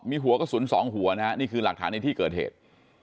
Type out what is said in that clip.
มีหัวกระสุนสองหัวนะฮะนี่คือหลักฐานในที่เกิดเหตุ